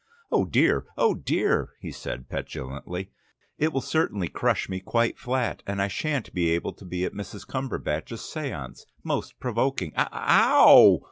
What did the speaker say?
"Oh, dear! oh, dear!" he said petulantly, "it will certainly crush me quite flat, and I shan't be able to be at Mrs. Cumberbatch's séance! Most provoking! A ow!"